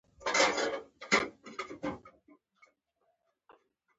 زه د جملو کیفیت ته ډېر حساس وم.